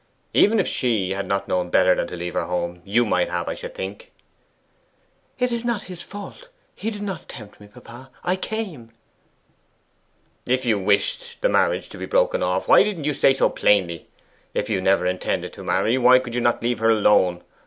Even if she had not known better than to leave her home, you might have, I should think.' 'It is not his fault: he did not tempt me, papa! I came.' 'If you wished the marriage broken off, why didn't you say so plainly? If you never intended to marry, why could you not leave her alone?